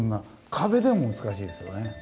壁でも難しいですよね。